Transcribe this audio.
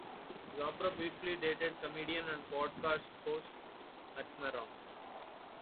Zappa briefly dated comedian and podcast host Marc Maron.